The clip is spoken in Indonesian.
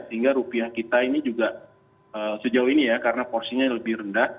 sehingga rupiah kita ini juga sejauh ini ya karena porsinya lebih rendah